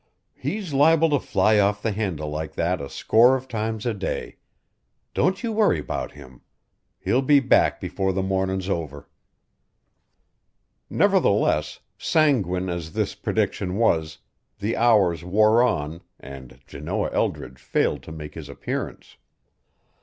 "He's liable to fly off the handle like that a score of times a day. Don't you worry 'bout him. He'll be back before the mornin's over." Nevertheless, sanguine as this prediction was, the hours wore on, and Janoah Eldridge failed to make his appearance.